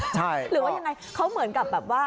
ใช่หรือว่ายังไงเขาเหมือนกับแบบว่า